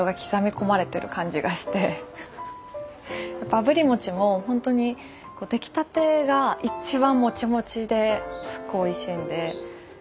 あぶり餅もほんとにできたてが一番もちもちですごいおいしいんで。